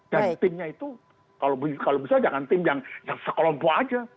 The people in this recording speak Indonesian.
dan teamnya itu kalau bisa jangan team yang sekolombo aja